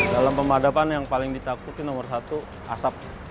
dalam pemadapan yang paling ditakuti nomor satu asap